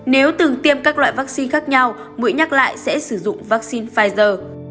nếu từng tiêm các loại vaccine khác nhau mũi nhắc lại sẽ sử dụng vaccine pfizer